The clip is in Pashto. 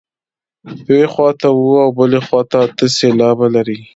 یوې خوا ته اووه او بلې ته اته سېلابه لري.